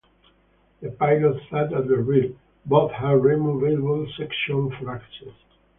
The pilot sat at the rear; both had removable sections for access.